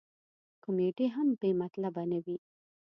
کمیډي هم بې مطلبه نه وي.